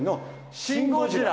『シン・ゴジラ』！